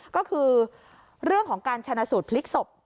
ก็คือเรื่องของการชนะสูตรพลิกศพ